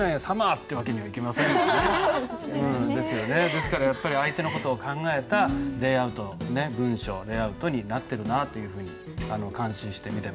ですからやっぱり相手の事を考えた文章レイアウトになってるなというふうに感心して見てました。